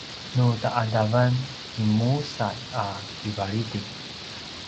nu ta’adavan kinmusalj a kivalidi